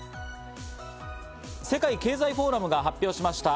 世界経済フォーラムが発表しました